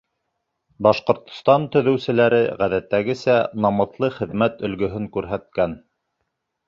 Башҡортостан төҙөүселәре, ғәҙәттәгесә, намыҫлы хеҙмәт өлгөһөн күрһәткән.